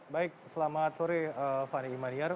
baik selamat sore fani imaniar